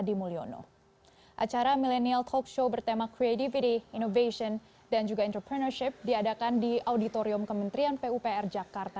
innovation dan juga entrepreneurship diadakan di auditorium kementerian pupr jakarta